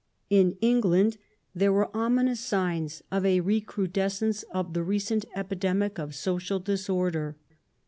In England there were ominous signs of a recru descence of the recent epidemic of social disorder.